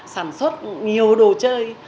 sản xuất nhiều đồ chơi